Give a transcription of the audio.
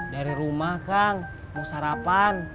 dari rumah kang mau sarapan